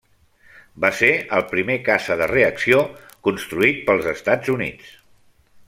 Va ser el primer caça de reacció construït pels Estats Units.